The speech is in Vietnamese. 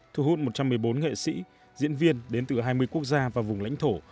thu hút một trăm một mươi bốn nghệ sĩ diễn viên đến từ hai mươi quốc gia và vùng lãnh thổ